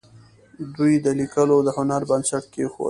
دوی د لیکلو د هنر بنسټ کېښود.